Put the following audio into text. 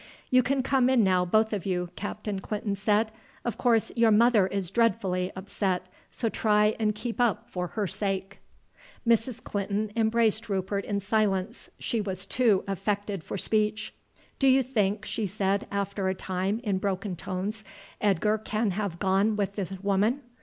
"You can come in now, both of you," Captain Clinton said. "Of course, your mother is dreadfully upset, so try and keep up for her sake." Mrs. Clinton embraced Rupert in silence, she was too affected for speech. "Do you think," she said after a time in broken tones, "Edgar can have gone with this woman?"